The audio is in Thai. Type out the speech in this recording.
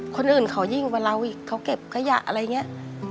คนอื่นเขายิ่งกว่าเราอีกเขาเก็บขยะอะไรอย่างนี้